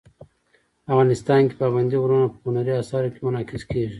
افغانستان کې پابندي غرونه په هنري اثارو کې منعکس کېږي.